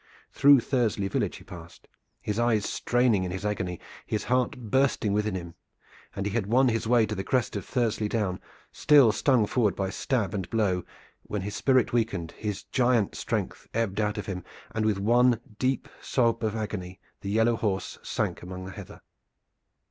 Through Thursley village he passed, his eyes straining in his agony, his heart bursting within him, and he had won his way to the crest of Thursley Down, still stung forward by stab and blow, when his spirit weakened, his giant strength ebbed out of him, and with one deep sob of agony the yellow horse sank among the heather.